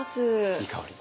いい香り。